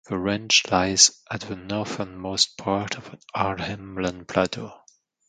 The Range lies at the northernmost part of the Arnhem Land Plateau.